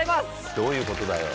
どういうことだよ。